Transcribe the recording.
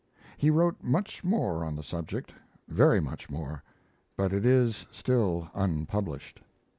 He wrote much more on the subject very much more but it is still unpublished.